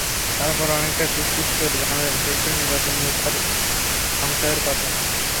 তারপর অনেকটা ফিসফিস করে জানালেন, সুষ্ঠু নির্বাচন নিয়ে তাঁর সংশয়ের কথা।